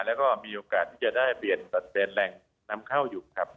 แล้วก็มีโอกาสที่จะได้เปลี่ยนเป็นแหล่งนำเข้าอยู่ครับ